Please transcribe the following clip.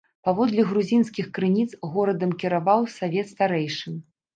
Паводле грузінскіх крыніц, горадам кіраваў савет старэйшын.